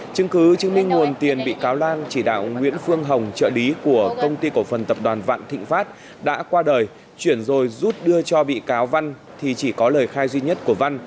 chứng cứ chứng minh nguồn tiền bị cáo lan chỉ đạo nguyễn phương hồng trợ lý của công ty cổ phần tập đoàn vạn thịnh pháp đã qua đời chuyển rồi rút đưa cho bị cáo văn thì chỉ có lời khai duy nhất của văn